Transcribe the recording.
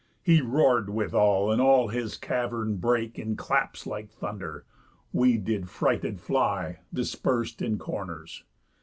He roar'd withal, and all his cavern brake In claps like thunder. We did frighted fly, Dispers'd in corners.